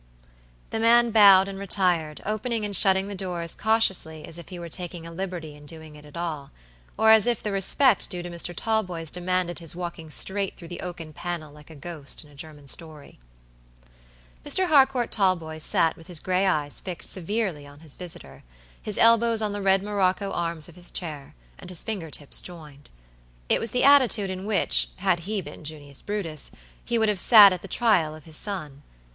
The man bowed and retired, opening and shutting the door as cautiously as if he were taking a liberty in doing it at all, or as if the respect due to Mr. Talboys demanded his walking straight through the oaken panel like a ghost in a German story. Mr. Harcourt Talboys sat with his gray eyes fixed severely on his visitor, his elbows on the red morocco arms of his chair, and his finger tips joined. It was the attitude in which, had he been Junius Brutus, he would have sat at the trial of his son.